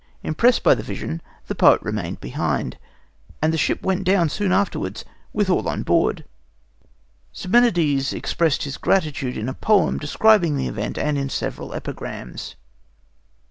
Impressed by the vision, the poet remained behind, and the ship went down soon afterwards, with all on board. Simonides expressed his gratitude in a poem describing the event, and in several epigrams.